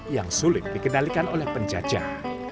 yang sulit dikendalikan oleh penjajah